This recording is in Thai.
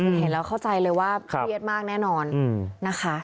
คือเห็นแล้วเข้าใจเลยว่าครับเครียดมากแน่นอนอืมนะคะ